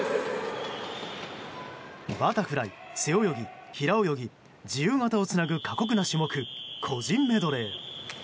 バタフライ、背泳ぎ平泳ぎ、自由形をつなぐ過酷な種目、個人メドレー。